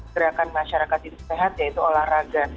gerakan masyarakat hidup sehat yaitu olahraga